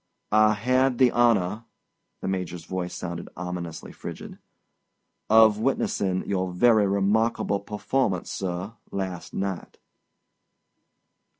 "I had the honor"—the Major's voice sounded ominously frigid—"of witnessing your very remarkable performance, sir, last night."